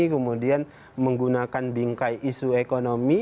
kemudian menggunakan bingkai isu ekonomi